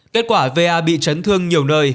kết quả va bị trấn thương nhiều